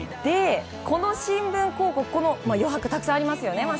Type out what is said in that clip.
この新聞広告、余白がたくさんありますよね。